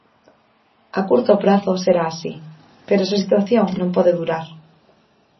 A curto prazo será así, pero esa situación non pode durar.